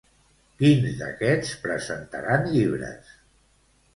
Quins d'aquests presentaran llibres?